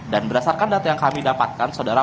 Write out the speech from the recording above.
dan berdasarkan data yang kami dapatkan saudara